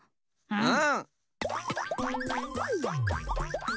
うん。